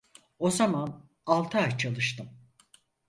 O zaman altı ay çalıştım.